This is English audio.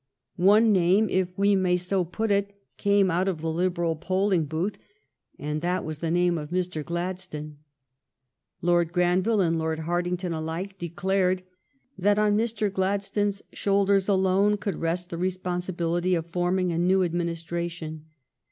One name, if we may so put it, came out of the Lib eral pollin_ booth, and that was the name ol Mr. Gladstone. Lord Granville and Lord Hart ington alike de clared that on Mr. Gladstone's shoulders alone could rest the responsibility of forming a new administration.